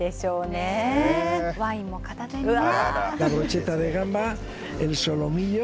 ワインも片手にね。